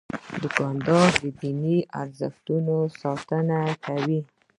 دوکاندار د دیني ارزښتونو ساتنه کوي.